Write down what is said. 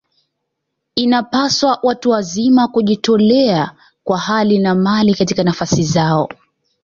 Inapaswa watu wazima kujitolea kwa hali na mali katika nafasi zao